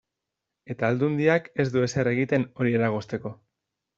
Eta Aldundiak ez du ezer egiten horiek eragozteko.